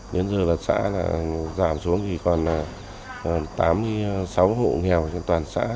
đến giờ là xã giảm xuống thì còn tám mươi sáu hộ nghèo trên toàn xã